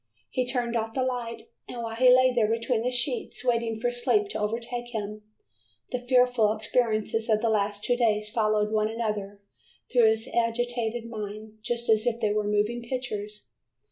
He turned off the light, and while he lay there between the sheets waiting for sleep to overtake him, the fearful experiences of the last two days followed one another through his agitated mind just as if they were moving pictures.